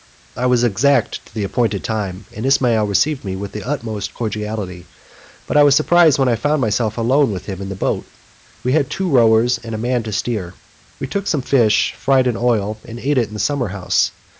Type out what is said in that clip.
I was exact to the appointed time, and Ismail received me with the utmost cordiality, but I was surprised when I found myself alone with him in the boat. We had two rowers and a man to steer; we took some fish, fried in oil, and ate it in the summer house.